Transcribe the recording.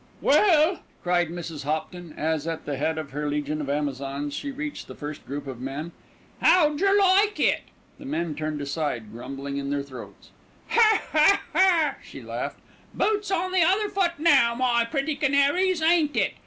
"Well!" cried Mrs. Hopton as, at the head of her legion of Amazons, she reached the first group of men. "How jer like it?" The men turned aside, grumbling in their throats. "Her her her!" she laughed. "Boot's on the other foot now, my pretty canaries, ain't it?